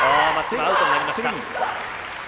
アウトになりました。